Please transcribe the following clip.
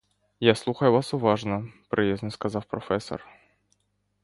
Я слухаю вас уважно, — приязно сказав професор.